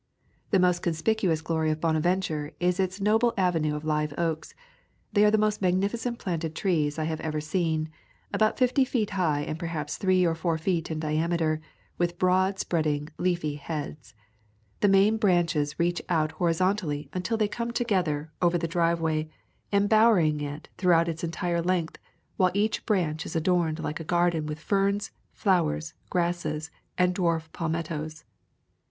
The most conspicuous glory of Bonaventure is its noble avenue of live oaks. They are the most magnificent planted trees I have ever seen, about fifty feet high and perhaps three or four feet in diameter, with broad spreading leafy heads. The main branches reach out horizontally until they come together over the [ 67 J A Thousand Mile Walk driveway, embowering it throughout its entire length, while each branch is adorned like a garden with ferns, flowers, grasses, and dwarf palmettos.